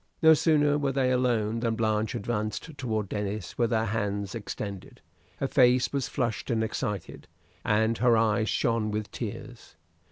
No sooner were they alone than Blanche advanced toward Denis with her hands extended. Her face was flushed and excited, and her eyes shone with tears.